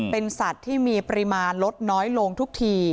เป็นสัตว์ที่มีปริมาณลดน้อยลงทุกที